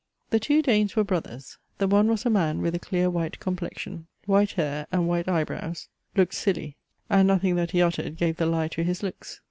The two Danes were brothers. The one was a man with a clear white complexion, white hair, and white eyebrows; looked silly, and nothing that he uttered gave the lie to his looks.